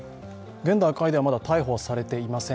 現段階ではまだ逮捕されていません。